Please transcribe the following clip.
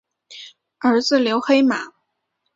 儿子刘黑马。